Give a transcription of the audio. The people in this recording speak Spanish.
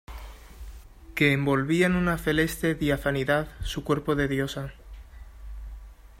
que envolvía en una celeste diafanidad su cuerpo de diosa.